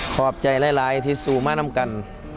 ขอบใจหลายที่สู่มานำกัน